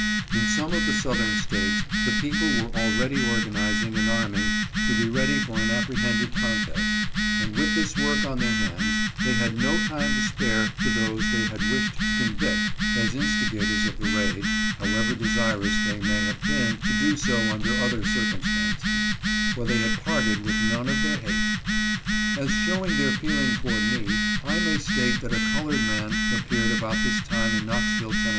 In some of the Southern States the people were already organizing and arming to be ready for an apprehended contest, and with this work on their hands they had no time to spare to those they had wished to convict as instigators of the raid, however de sirous they might have been to do so under other circum stances, for they had parted with none of their hate. As showing their feeling toward me, I may state that a col ored man appeared about this time in Knoxville, Tenn.